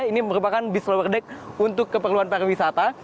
ini merupakan bus lower deck untuk keperluan perwisata